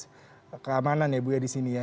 jadi keamanan ya bu ya di sini ya